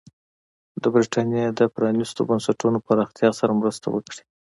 د برېټانیا د پرانېستو بنسټونو پراختیا سره مرسته وکړي.